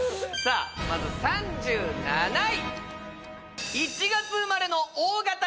さあまず３７位